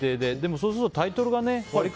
そうするとタイトルがね。